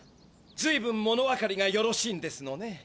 ずいぶん物分かりがよろしいんですのね。